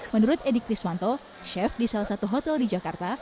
menurut edik kriswanto chef di salah satu hotel di jakarta